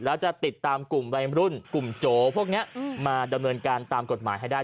แล้วจะติดตามกลุ่มวัยรุ่นกลุ่มโจพวกนี้มาดำเนินการตามกฎหมายให้ได้